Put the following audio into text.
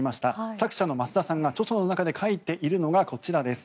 作者の益田さんが著書の中で書いているのがこちらです。